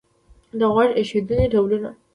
د غوږ ایښودنې ډولونه